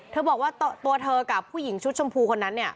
บอกว่าตัวเธอกับผู้หญิงชุดชมพูคนนั้นเนี่ย